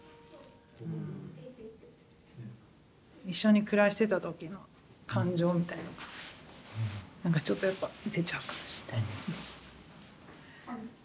一緒に暮らしてた時の感情みたいのがなんかちょっとやっぱ出ちゃうかもしれないですね。